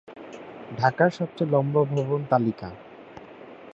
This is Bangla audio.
ঢাকায় সবচেয়ে লম্বা ভবন তালিকা